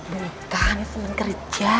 bukan ini teman kerja